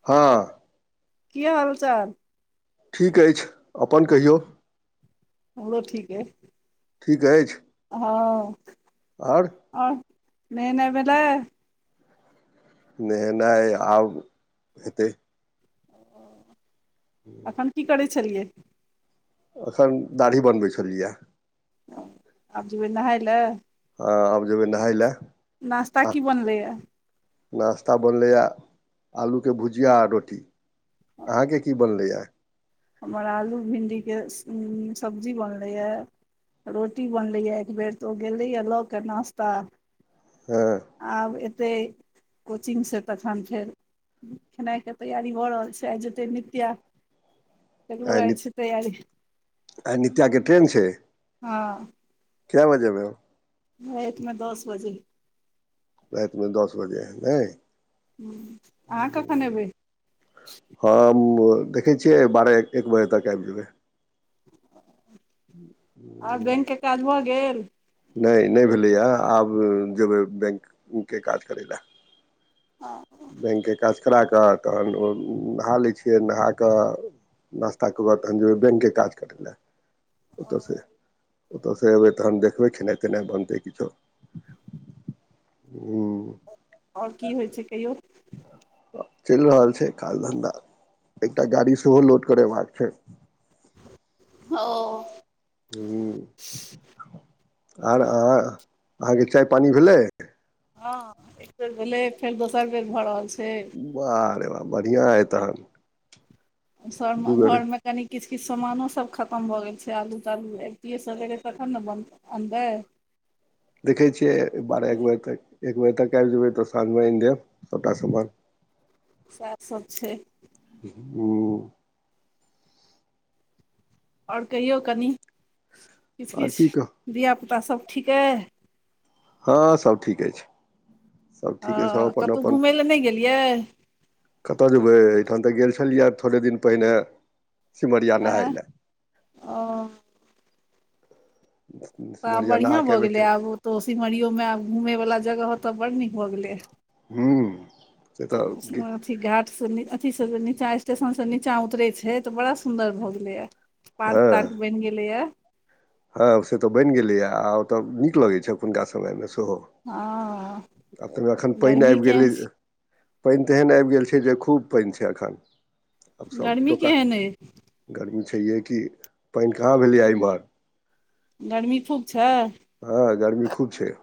हँ। क हाल चाल। ठीक अछि अपन कहियौ। हमो ठीक ह। ठीक अछि। हँ। आओर। आओ नहि नहि भेलल। नहेनाइ आब हेतै।। एखन की करै छलियै।। एखन दाढ़ी बनबै छलियै।। आब जेबै नहाय लए। हँ आब जेबै नहााय लए। नास्ता की बनलैए। नश्ता बनलैए आलूके भुजआ आ रोटी। अहाँके की बनलैए आइ।। हमर आलू भिंडीके सब्जी बनलैए। रोटी बनलैए एक बेेर तऽ ओ गेलैए लऽ केऽ नाास्ता।। हँ। आब एतै कोचिंगसँ तखन फेर। खेनाइके तैयारी हो रहल छैय आइ जते नित्या।। आ तकरो आइ नित छै तैयारी आ नितियाके ट्रेन छैय।। हँ क्या बजेमे। रतमे दस बजे।। राति मे दस बजे है नहि।। ह अहाँ कखन एयबै।। हम देखै छियै बारह एक बजे तक आबि जेबै।। [inaudible] ह। आर बैक के काज भऽ गेल। नहि नहि भेलैय आब जेबै बैनके काज करै लए। ह बैनके काज करा कऽ तहन ओ नहा लै छियै नहि कऽ नाश्ताके बाद तखन जेबै बैनके काज करय लए ओतयसँ। ओतयस अयबै तखन देखबै खेनाइ खेनाइ बनतै किछो। ह आओर कि होइ छै कहियो। चलि रहल छैय काज धंधा एकटा गाड़ी सेहो लोड करेबा कऽ छैय। ओ। ह आर अहाँ अहाँकेँ चाय पानि भेलै। हैं एक बेर भेलै फेर दोसर बेर भऽ रहल छैय। बाह रे बा बढ़िआ अए तहन। सभ दू बेर घरमे कनी किछु किछु सामानो सभ खतम भऽ गेल छैय आलू तालू अबितिये सभ गेलै तखन ने बनतौ। अनबै देखै छियै बारह एक बजेक एक बजे तक आबि जेबै तऽ साँझमे आनि देब सभटा समान। सात सै छैय। [unintelligible] और कहियौ कनि [inaudible] किछ आर किछ की कहू धियापुता सब ठीक हैय। ह सब ठीक ऐछै आ कतौ धुमै लए नै गेलियै। कतय जेबै एहिठाम तऽ गेल छलियै थोड़े दिन पहिने सिमरिया आँय नहाय लाए ओ तऽ आब सिमरिया नहा बढ़िआँ कऽ भऽ एबे गेलै केलियै आब ओ तऽ सिमरियोमे आब घूमयवला जगह ओ तऽ बड़ नीक भऽ गेलै। हू से तऽ अ घाट से अथी सब नीचा स्टेशन स नीचा उतरे छैय तऽ बड़ा सुंदर भऽ गेलेया। पार्क तार्क बन गेलेय। ह से तऽ बनै गेलैए आ ओतय नीक लगैत छैय एखुनका समयमे सेहो। हँ आ ताहिमे एखन पाइन गर्मी आइब केहन गेलै छै पाइन तेहन आइब गेल छैय जे खूब पाइन छैय एखन। आब सभ गर्मी दोकान केहन अइ [inaudible] गर्मी छैहै कि पाइन कहाँ भेलै इम्हर। गर्मी खूब छै हऽ गर्मी खूब छैय।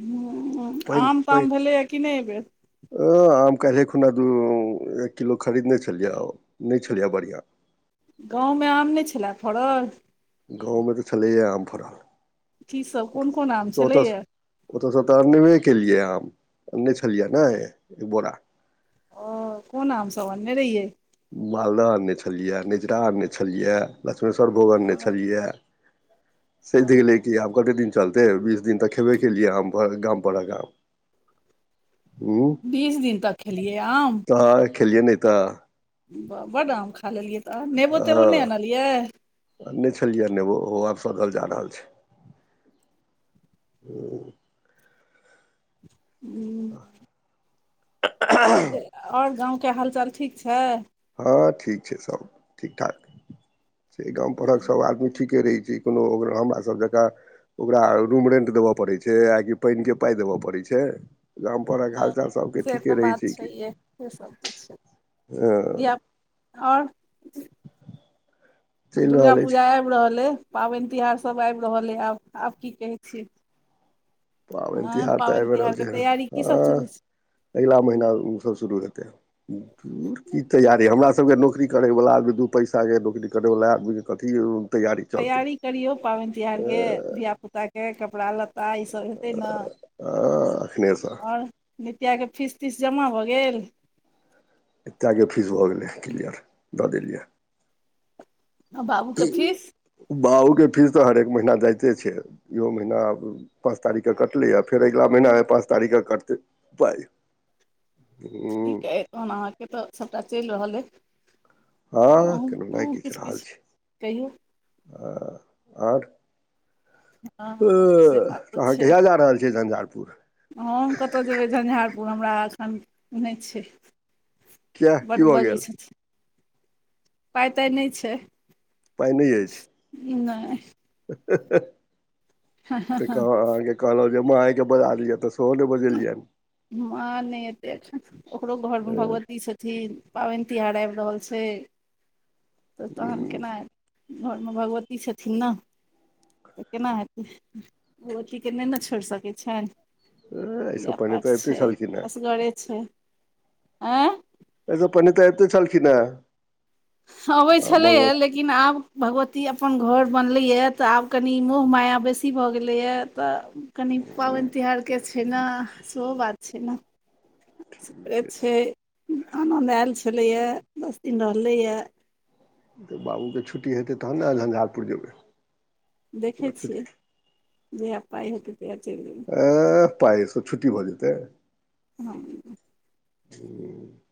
हुँ आम ताम भेलै कि नै एबैर। अ आम काइलें खुना दू एक किलो खरीदने छलियै आम नै छलै बढ़ियाँ। गाँव में आम नै छलए फड़ल। गाँव में तऽ छलैए आम की सब फरल कोन कोन आम [inaudible] ओ तऽ स छलैए ओतयसँ तऽ आनबे केलियै आम आनने छलियै ने एक बोरा। आ कोन आम सब आनने रहियै। मालदह आनने छलिया नेचरा आनने छलिया लक्ष्मेश्वरभोग आनने छलिया। सैद गेलै कि आब कतेक दिन चलतै बीस दिन तऽ खेबे केलियै आम गांम पर हक आम बीस दिन तक खेलियै [inaudible] तऽ खेलियै नै तऽ। बा बड आम खा लेलियै तऽ नेबो तेबो नै आनलियै आनै छलिय नेबो ओहो आब सधल जा रहल छैय। [unintelligible] [unintelligible] तऽ की और गाँव केँ हालचाल ठीक छैय। हँ ठीक छैय सब ठीक ठाक [inaudible] छैय गाम परहक सब आदमी ठीक निके रहै छी कोनो ओकरो हमरा सभ जका ओकरा रूम रेंट देबय पड़ैत छैय आ कि पाइन केँ पाइ देबय पड़ैत छैय। गाम परहक हँ, हालचाल सब केँ से तऽ ठीके रहै बात छैय कि। छैहे से सब तऽ छैय [inaudible] हँ धिया और आब चलि दुर्गा रहल अछि पूजा आइब रहले पाबैन तिहार सभ आइब रहले आब आब की कहै छियै। पाबैन तिहार तऽ आइबै रहल तिहारके छैय तैयारी की हँ सब चलै छै अइगला महिना उ सब शुरू हेतै [unintelligible] तैयारी हमरा सभ केँ नौकरी करैवला आदमी दू पैसा केँ नौकरी करैवला आदमी कऽ कथी तैयारी करियौ पाबैन तिहार केँ धिया ता केँ कपड़ा लत्ता ईसभ हेतै न एखनेसँ [inaudible] ओर नितिया केँ फीस तीस जमा भऽ गेल एकता केँ फीस भऽ गेलै क्लियर दऽ देलियै आ बाबू केँ फीस बाऊ केँ फीस तऽ हरेक महीना जाइते छै इहो महीना आब पाँच तारीखके कटलैया फेर अगला महीना आय पाँच तारीखके कटतै पाइ। हूँ ठीक ऐ तहन अहाँके तऽ सभटा चेल रहले। आब हँ अहूँ केनाहुनाइ अहूँ। किछ किछ कहियौ। आ ओर। अ हँ से बात त। तऽ अहाँ छै कहिया जा रहल छियै झंझारपुर। हम कता जेबै झंझारपुर हमरा। एखन नेय छै। किया बड की भऽ बजै। गेल छथिन पाए ताए ने छैय। पाए। ने एछि। नई। त। कहाँ आगे। कहल जे माई के बजालियै तऽ सोले ने बजलिया। माँ ने एते एठाम ओकरो घोर में भगवती छथिन। पाबन तिहार आब। रहल छैय। तऽ तहन केना आब घोर में भगवती छथिन न। तऽ केना हेतै भगवती के ने ने छोड़ सकै छैय। एहिसँ पूजा पहिने पाठ तऽ अबिते छैय। छलखिन हेँ असगरे छैय ऐ। आइ स पहिने त एताइ छलखिन ह। अबै छलैए या लेकिन। लेकिन आब भगवती अपन घोर बनलैएा तऽ आब कनि मोह माया बेसी भऽ गेलैएा त। कनि पाबनि तिहारके छै। ने सेहो बात छै। ने सुैने ठीके छैय आनन्द आयल छलैय या दस दिन रहलेया। तऽ बाउके छुट्टी हेतै तब न झंझारपुर जेबै। देखै छुट्टी छियै जहिया पाइ। हेतै तहिया चेल जेबै। ए पाइये से छुट्टी भऽ जेतै। ह। ह।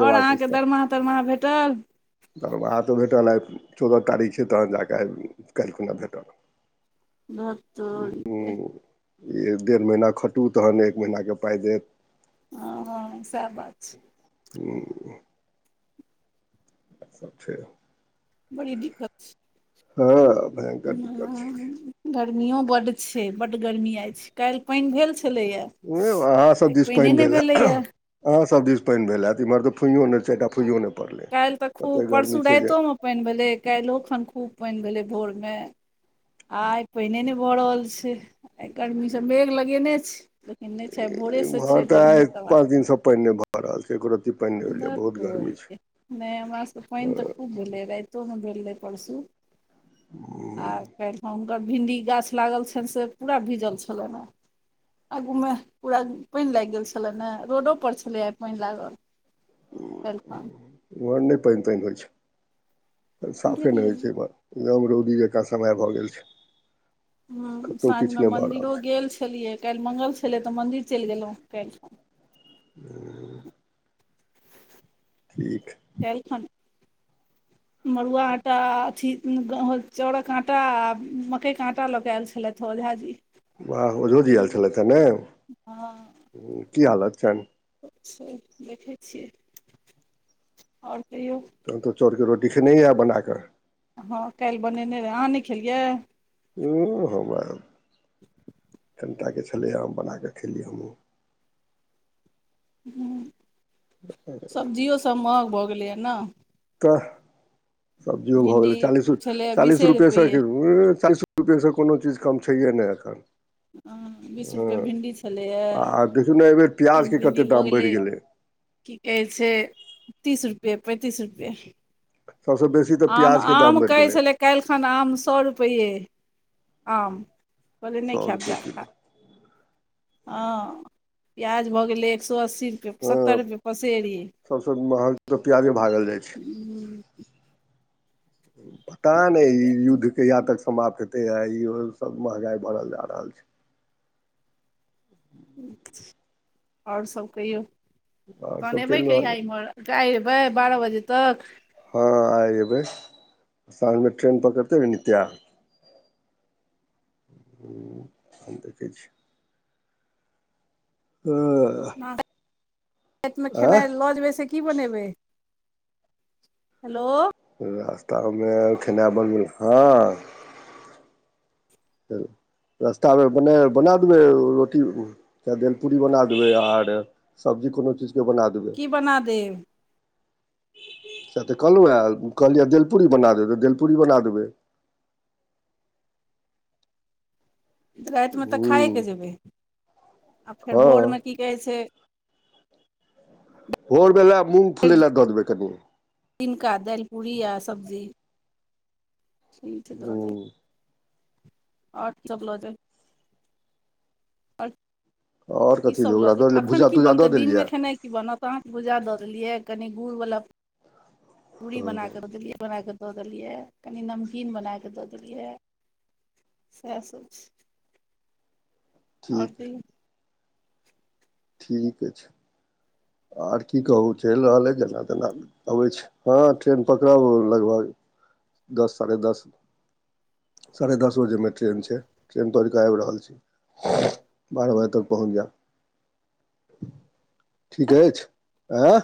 ओर अछि अहाँके तऽ दरमाह तरमाह भेटल। दरमाहा तऽ भेटल आइ। चौदह तारीख छै। तहन जा कऽ आइ काल्हि खुना भेटल। न न। हूँ डेढ़ महीना खातु तखन एक महीना के पाइ देत। हँ सएह बात छै। ह ह। सभ छै। बड़ी दिक्कत। हँ भयांकर दिक्कत छै। ग़रमी बड छै। बड ग़रमि आय काल्हि पानि भेल छलैया। नहि अहाँसभ दिश पाइन भेलए। अह सभ दिस पानि भेल हत इमहर तऽ फुयो ने छै। एकटा फुइयो न। काल्हि तऽ खूब परसू रतिओमे पानि भेलै। काल्हिओ खन खूब पानि भेलै भोरमे। आ आइ पानिए नहि भऽ रहल छै। आइ गारमि सँ मेघ लगेने छै। लेकिन नहि छै। भोट। एमहर तऽ आइ पाँच दिनसँ पानि नहि भऽ रहल छै। एको र्ती पानि नहि होइ धत बहुत गरमी छै। तोरीके नहि हमरा सभ के पानि तऽ हँ खूब भेलै राइतोमे भेल रहै परसू आर। हुनकर भिंडी गाछ। लागल छनि से पूरा भीजल छलनि ह। आगू मे पूरा पानि लागि गेल छलै ने रोडो पर छलै आ पानि लागल। [unintelligible] एमहर नै पाइन ताइन होइ छै [inaudible] साफे नै गेलियै होइ छै एमहर एकदम रौदी जकाँ समय भऽ गेल छै हँ कतहु साँझमे किछु नहि भऽ रहल मन्दिरो छै गेल छलियै काइल मंगल छलै तऽ मन्दिर चैल गेलै काइल [unintelligible] ठीक काइल खन मरुआ आटा अथी चाउड़ कऽ आटा मकई कऽ आटा लऽ कऽ ऐल छलैथ ओझा जी वाह ओझो जी ऐल छलैथ हऽ ने हँ की हालत छैन छै देखै छियै [inaudible] और कहियों तहन तऽ चाउर केँ रोटी खेनेइ यऽ बना कऽ हँ काइल बनेने रहै अहाँ नै खेलियै उह हमर [inaudible] कनिटा कऽ छलै हम बना कऽ खेली हमहूँ [inaudible] सब्जियओ सब महंग भऽ गेलैए न तऽ [inaudible] सब्जियो भऽ भिंडी गेलै चस छलैए चालिस बीसे रुपएसँ रुपैए [unintelligible] रुपये स कोनो चीज कम छैहे नै एखन बीस हँ रुपैए भिंडी छलैए आ देखू नै एहि बेेर एखन प्याज केँ कते भिंडी भऽ दाम बढ़ि गेलै की कहै छै [inaudible] तीस रुपैय पैंतीस रुपैय सबसे बेसी तऽ आम प्याजके दाम आम बढ़ि कहै गेलै छलै काइल खन आम सौ रुपैय आम कहलिय नै सए खायब रुपैए जा किलो हँ [inaudible] प्याज भऽ गेलै एक सौ अस्सी रुपैय सत्तर रुपैय पसेरी सबस महंग तऽ प्याजे भागल जाइ छै [inaudible] तै न ई युद्ध कहिया तक समाप्त हेतै ह ईहो सब महंगाइ बढ़ल जा रहल छै [inaudible] और सब कहियौ [inaudible] आओर तहन सब एबै चलि रहल कहिया य इमहर आइ एबै बारह बजे तक हँ आइ एबै [inaudible] साँझ में ट्रेन पकड़तै नित्या [unintelligible] [unintelligible] [inaudible] राइत में आँय खेनाइ लऽ जेबै से की बनेबे [inaudible] हेलो रास्तामे खेना बनबै लऽ हँ रस्ता में बना बना देबै रोटी केँ दल पूड़ी बना देबै आर सब्जी कोनो चीज केँ बना देबै की बना देब से तऽ कहलु है कहलियै दैल पुरी बना देबै तऽ दैल पूरी बना देबै राइत में तऽ खाए हूँ केँ जेबै [inaudible] आ फेर हँ भोर में की कहै छै भोर में वैह मूँग फुलै लए दऽ देबै कनि तिनका हाइल पूड़ी आ सब्जी [inaudible] ठीक छै दऽ हूँ [unintelligible] आओर आओर की कथी सब दू ओकरा लऽ दऽ देलियै अखन भुजा की तुजा बनते दऽ दिन देलियै में खेनाइ की बनत अहाँ भुजा दऽ देलियै कनि गुड़ बला [inaudible] पूरी हँ बना कऽ देलियै बना कऽ दऽ देलियै कनि नमकीन बना कऽ दऽ देलियै। सएह सभ आओर ठीक त। ठीके छै। आर की कहू चलि रहल हइ जेना तेना। अबै छै। हँ ट्रेन पकड़ब लगभग दस साढ़े दस। साढ़े दस बजेमे ट्रेन छै। ट्रेन तोड़िकऽ आबि रहल छि। बारह बजे तक पहुँच जाउ। ठीक अछि आँय।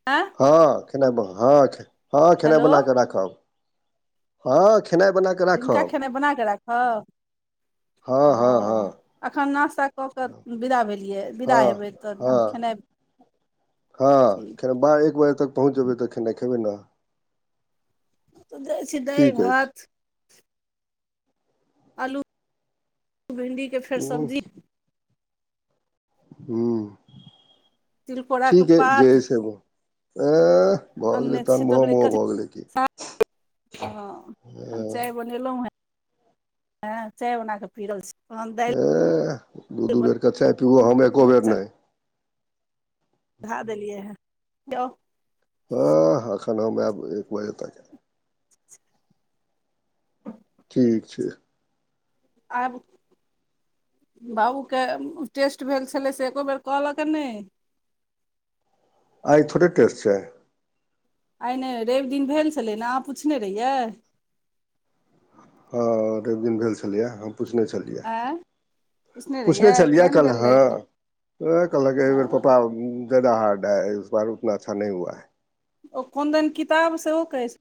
आँ। हँ हँ हँ। खेनाइ हेलो बना कऽ राखब। हँ खेना बना क। दिनका खेनाइ बना कऽ राखब हँ ओ। हँ हँ एखन नश्ता कऽ कऽ विदा भेलियै विदा हँ हेबै तऽ हँ खेनाइ। हँ ठीक खेना बारह एक बजे तक पहुँच जेबै तऽ खेनाइ खेबै ने। तऽ दैस दह ठीक अछि भात। आलू भिणडीके फेर हूँ सब्जी। ह तिलकोरा के ठीक ह जय पात सेबो अ। भऽ गेलै अनने छी तहन तऽ ओकरे ओहोमे ओहो कच भऽ गेलै कि। हँ एखन चाय बनेलहुँ हँ आँ। चाय बनााकऽ पीरल छी। तहन दालि ह दू दू बेरके चाय। पिबू हम एको बना बेर नहि। धा देलियै है यौ। हँ अखन मे आब एक बजे तकय। ठीक छै। आब। बाबूके टेस्ट भेल छलै से एको बेर कहलक की नहि। आइ थोडे टेस्ट छै। आइ नहि रवि दिन भेल छलै। ने अहाँ पुछने रहियै। हऽ रवी दिन भेल छये हम पूछने छलियै। एँ। पुछने छलियै कहल हँ। कहलक एहिबेर पप्पा उ। जादा हार्ड बार उतना अच्छा नहि हुआ ह। ओ कोन दिन किताब सेहो कहै छै।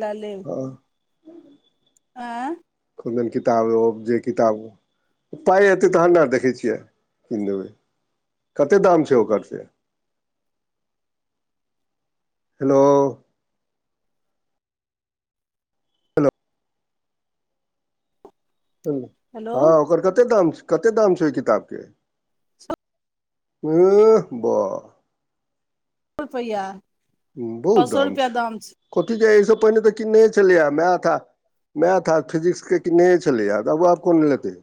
ल लेब। ह। एँ। कोनदिन ओ किताब ओ जे किताब। पाइ एतै तहन ने देखै छियै कीन देबै कतेक दाम छै। ओकरसे। हेलो। हलो हेलो हँ ओकर कतेक दाम छै। कतेक दाम छ। ओ किताब के ऐह बाह। रुपया। बहुददाम छै। कथी कह एहिसँ पहिने तऽ किन नहे छलैए मायथ। मैथ और फिजिक्स के किन नहे छलैय तबो आब कोन लेतै।